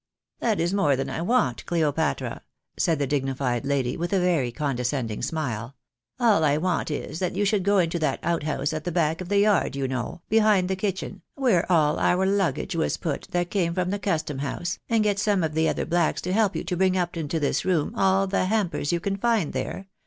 " That is more than I want, Cleopatra," said the dignified lady, with a very condescending smile. " All I want is, that you should go into that outhouse at the back of the yard, you know, behind the kitchen, where all our luggage was put, that came from the custom house, and get some of the other blacks to help you to 90 THE BAENABYS IN AMEEICA. bring up into this room, all tlie hampers you can find there.